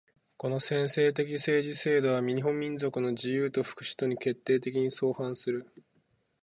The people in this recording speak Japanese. この専制的政治制度は日本民族の自由と福祉とに決定的に相反する。